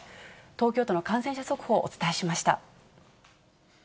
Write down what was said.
東京都の感染者速報、お伝えしました。